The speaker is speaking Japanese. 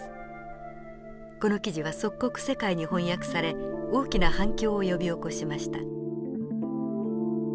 この記事は即刻世界に翻訳され大きな反響を呼び起こしました。